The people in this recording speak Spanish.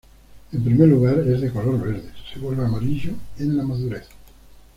En primer lugar, es de color verde, se vuelve a amarillo en la madurez.